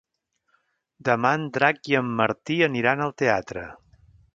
Demà en Drac i en Martí aniran al teatre.